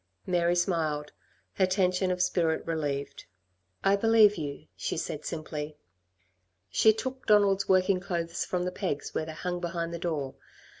Mary smiled, her tension of spirit relieved. "I believe you," she said simply. She took Donald's working clothes from the pegs where they hung behind the door.